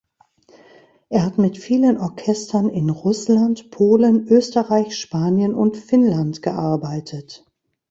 Er hat mit vielen Orchestern in Russland, Polen, Österreich, Spanien und Finnland gearbeitet.